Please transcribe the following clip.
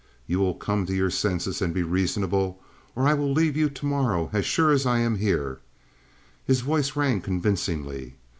You will come to your senses and be reasonable, or I will leave you to morrow as sure as I am here." His voice rang convincingly.